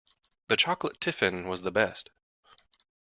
That chocolate tiffin was the best!